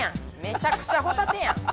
めちゃくちゃホタテやん。